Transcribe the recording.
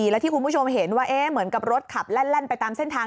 แล้วที่คุณผู้ชมเห็นว่าเหมือนกับรถขับแล่นไปตามเส้นทาง